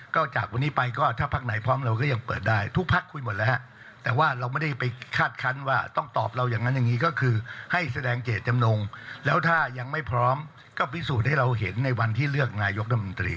ก็จากวันนี้ไปก็ถ้าพักไหนพร้อมเราก็ยังเปิดได้ทุกพักคุยหมดแล้วฮะแต่ว่าเราไม่ได้ไปคาดคันว่าต้องตอบเราอย่างนั้นอย่างนี้ก็คือให้แสดงเจตจำนงแล้วถ้ายังไม่พร้อมก็พิสูจน์ให้เราเห็นในวันที่เลือกนายกรัฐมนตรี